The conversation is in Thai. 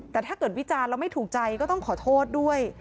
แต่ถ้าเกิดวิจารณ์แล้วไม่ถูกใจก็ต้องขอโทษด้วย